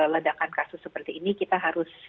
ledakan kasus seperti ini kita harus